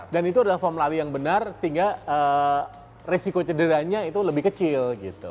dan itu adalah form lari yang benar sehingga risiko cederanya itu lebih kecil